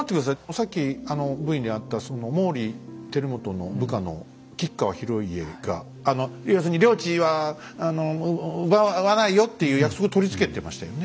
さっきあのＶにあった毛利輝元の部下の吉川広家が要するに領地は奪わないよっていう約束取り付けてましたよね。